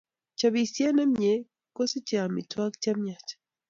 Chopisiet nemie kosichei amitwogik chemiach